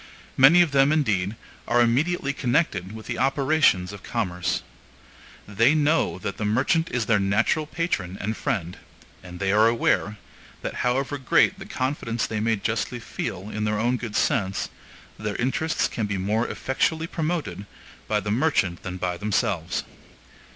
Many of them, indeed, are immediately connected with the operations of commerce. They know that the merchant is their natural patron and friend; and they are aware, that however great the confidence they may justly feel in their own good sense, their interests can be more effectually promoted by the merchant than by themselves.